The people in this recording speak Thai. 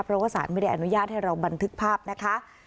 เพราะว่าสารไม่ได้อนุญาตให้เราบันทึกภาพนะคะ